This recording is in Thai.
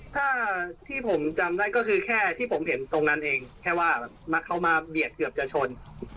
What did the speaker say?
ถ้าที่ผมจำได้ก็คือแค่ที่ผมเห็นตรงนั้นเองแค่ว่าเขามาเบียดเกือบจะชน